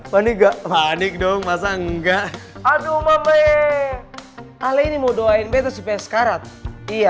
panik dong masa enggak aduh mama e aleni mau doain betes peskarat iya